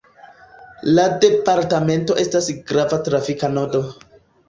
La departamento estas grava trafika nodo.